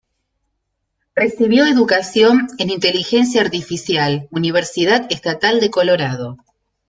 Recibió educación en lA Universidad Estatal de Colorado.